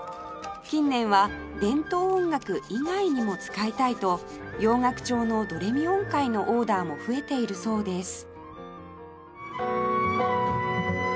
近年は伝統音楽以外にも使いたいと洋楽調のドレミ音階のオーダーも増えているそうです